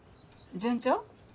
順調？